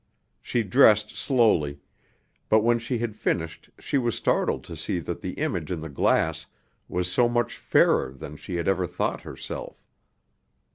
She dressed slowly; but when she had finished she was startled to see that the image in the glass was so much fairer than she had ever thought herself.